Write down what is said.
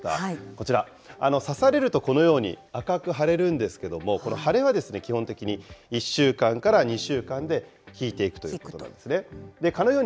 こちら、刺されるとこのように、赤く腫れるんですけども、この腫れは基本的に１週間から２週間でひいていくということなんですね。